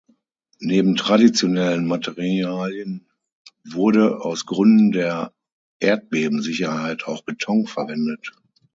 Neben traditionellen Materialien wurde, aus Gründen der Erdbebensicherheit, auch Beton verwendet.